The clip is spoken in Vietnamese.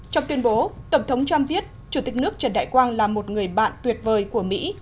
trong tuyên bố tổng thống trump viết chủ tịch nước trần đại quang là một người bạn tuyệt vời của mỹ